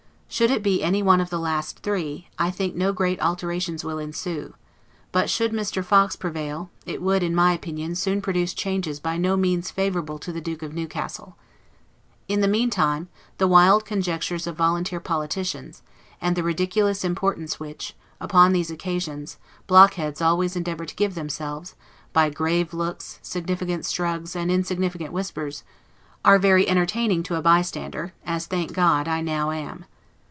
Should it be any one of the last three, I think no great alterations will ensue; but should Mr. Fox prevail, it would, in my opinion, soon produce changes by no means favorable to the Duke of Newcastle. In the meantime, the wild conjectures of volunteer politicians, and the ridiculous importance which, upon these occasions, blockheads always endeavor to give themselves, by grave looks, significant shrugs, and insignificant whispers, are very entertaining to a bystander, as, thank God, I now am.